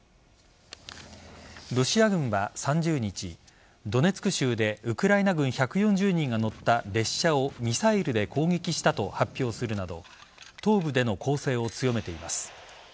ロシア軍は３０日ドネツク州でウクライナ軍１４０人が乗った列車をミサイルで攻撃したと発表するなど東部での攻勢を強めています。